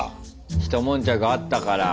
ひともんちゃくあったから。